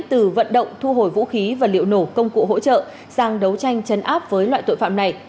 từ vận động thu hồi vũ khí và liệu nổ công cụ hỗ trợ sang đấu tranh chấn áp với loại tội phạm này